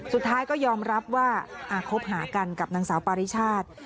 สุดท้ายก็ยอมรับว่าคบหากันกับนางสาวปาริชาติ